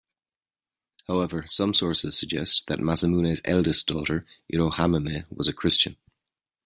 However, some sources suggest that Masamune's eldest daughter, Irohahime, was a Christian.